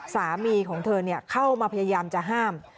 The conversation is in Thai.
สามีของเธอเข้ามาพยายามจะห้าม